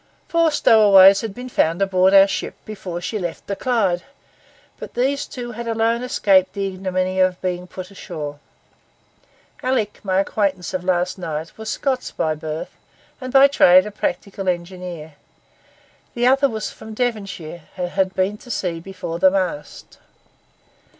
Four stowaways had been found aboard our ship before she left the Clyde, but these two had alone escaped the ignominy of being put ashore. Alick, my acquaintance of last night, was Scots by birth, and by trade a practical engineer; the other was from Devonshire, and had been to sea before the mast.